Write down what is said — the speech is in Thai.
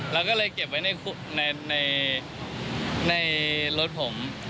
แล้วก็เลยเก็บไว้ในรถผม